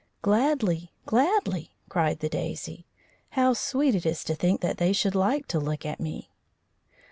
"Gladly, gladly!" cried the daisy. "How sweet it is to think that they should like to look at me!"